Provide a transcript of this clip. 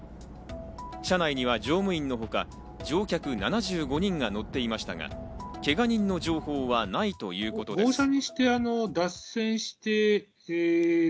車内には乗務員のほか、乗客７５人が乗っていましたが、けが人の情報はないということです。